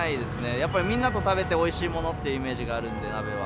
やっぱりみんなと食べておいしいものっていうイメージがあるんで、鍋は。